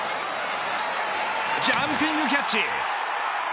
ジャンピングキャッチ。